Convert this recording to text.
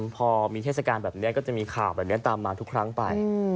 พอมีเทศกาลแบบนี้ก็จะมีข่าวแบบนี้ตามมาทุกครั้งไป